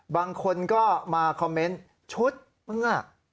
บางคนก็มาคอมเมนต์ชุดเมื่อ